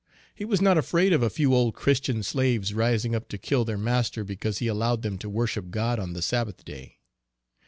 He was not afraid of a few old Christian slaves rising up to kill their master because he allowed them to worship God on the Sabbath day.